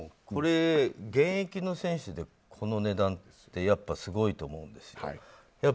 これ、現役の選手でこの値段ってやっぱりすごいと思うんですよ。